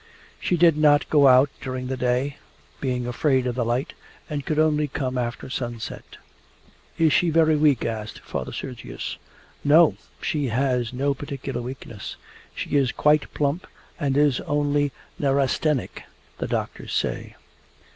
She did not go out during the day, being afraid of the light, and could only come after sunset. 'Is she very weak?' asked Father Sergius. 'No, she has no particular weakness. She is quite plump, and is only "nerastenic" the doctors say.